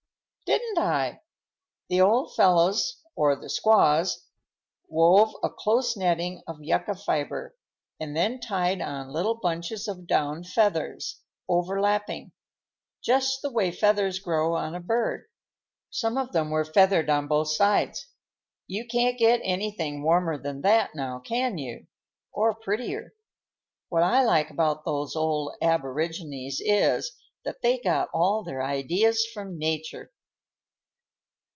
"Didn't I? The old fellows—or the squaws—wove a close netting of yucca fiber, and then tied on little bunches of down feathers, overlapping, just the way feathers grow on a bird. Some of them were feathered on both sides. You can't get anything warmer than that, now, can you?—or prettier. What I like about those old aborigines is, that they got all their ideas from nature."